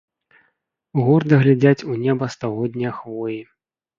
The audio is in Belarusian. Горда глядзяць у неба стагоднія хвоі.